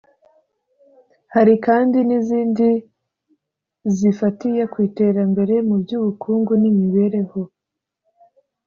Hari kandi n izindi zifatiye ku iterambere mu by ubukungu n imibereho